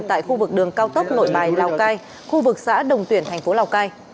tại khu vực đường cao tốc nội bài lào cai khu vực xã đồng tuyển thành phố lào cai